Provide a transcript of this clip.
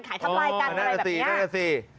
ขายทัพลายกันอะไรแบบนี้ฮะอ๋อน่าจะตีน่าจะตี